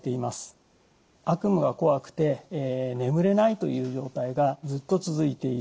悪夢がこわくて眠れないという状態がずっと続いている。